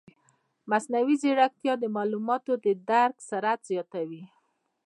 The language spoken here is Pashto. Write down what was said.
مصنوعي ځیرکتیا د معلوماتو د درک سرعت زیاتوي.